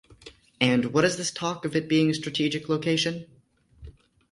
And what is this talk of it being a strategic location?